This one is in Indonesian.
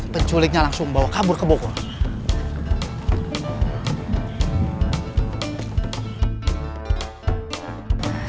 penculiknya langsung bawa kabur ke bogor